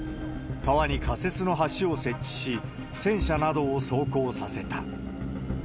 川に仮設の橋を設置し、戦車などを走行させた。